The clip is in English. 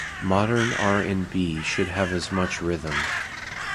Modern R and B should have as much rhythm.